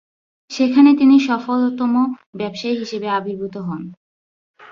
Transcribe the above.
সেখানে তিনি সফলতম ব্যবসায়ী হিসেবে আবির্ভূত হন।